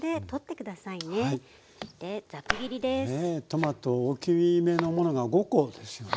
トマト大きめのものが５コですよね。